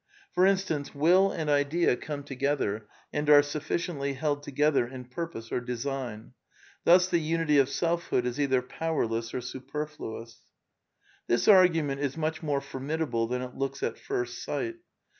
For instance, will and idea come together and are sufficiently ^ held together in purpose or design. Thus the unity of T^Tielfhood is either powerless or superfluous. This argument is much more formidable than it looks at first sight.